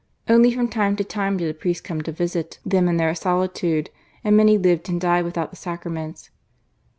Only from time to time did a priest come to visit them in their solitude, and many lived and died without the Sacraments.